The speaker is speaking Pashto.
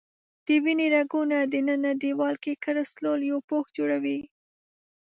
د وینې رګونو دننه دیوال کې کلسترول یو پوښ جوړوي.